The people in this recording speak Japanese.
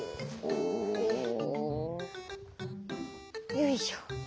よいしょ。